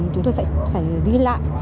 chúng tôi sẽ phải ghi lại